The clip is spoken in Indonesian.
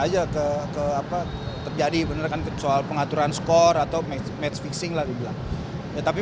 aja ke apa terjadi bener kan kecuali pengaturan skor atau mencetak fixing lagi bilang tetapi